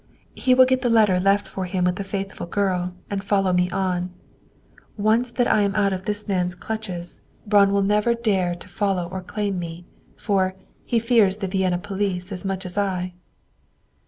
"He will get the letter left for him with the faithful girl, and follow me on. Once that I am out of this man's clutches, Braun will never dare to follow or claim me. For, he fears the Vienna police as much as I."